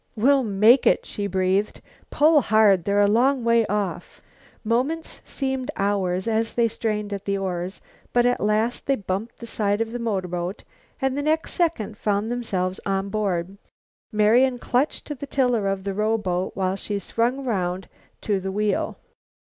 "We'll make it," she breathed. "Pull hard. They're a long way off." Moments seemed hours as they strained at the oars, but at last they bumped the side of the motorboat and the next second found themselves on board. Marian clung to the tiller of the rowboat while she swung round to the wheel.